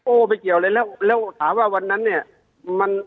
โอ้ไปเกี่ยวเลยแล้วถามว่าวันนั้นเนี่ย